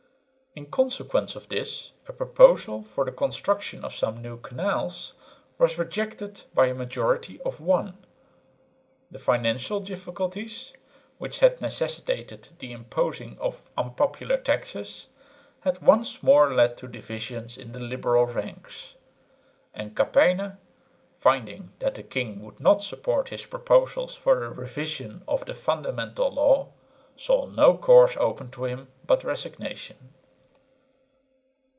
In consequence of this a proposal for the construction of some new canals was rejected by a majority of one. The financial difficulties, which had necessitated the imposing of unpopular taxes, had once more led to divisions in the liberal ranks; and Kappeyne, finding that the king would not support his proposals for a revision of the Fundamental Law, saw no course open to him but resignation.